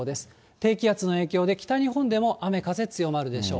低気圧の影響で北日本でも雨、風強まるでしょう。